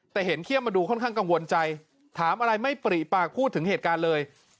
แต่เห็นเขี้ยมมาดูค่อนข้างกังวลใจถามอะไรไม่ปริปากพูดถึงเหตุการณ์เลย